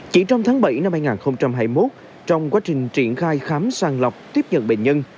chỉ trong tháng bảy năm hai nghìn hai mươi một trong quá trình triển khai khám sàng lọc tiếp nhận bệnh nhân